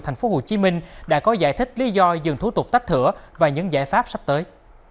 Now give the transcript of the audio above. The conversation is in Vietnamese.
thành phố hồ chí minh đã có giải thích lý do dừng thú tục tách thửa và những giải pháp sắp tới